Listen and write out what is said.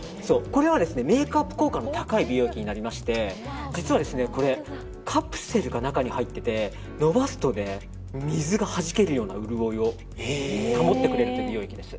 メイクアップ効果の高い美容液になりまして美容液になりまして実はカプセルが中に入っていて伸ばすと水がはじけるような潤いを保ってくれるという美容液です。